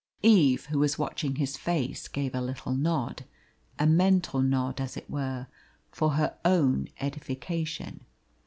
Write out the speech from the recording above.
Eve, who was watching his face, gave a little nod a mental nod, as it were, for her own edification.